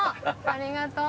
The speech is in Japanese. ありがとう。